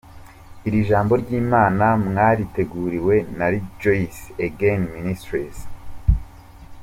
Iri Jambo ry’Imana mwariteguriwe na Rejoice Again Ministries.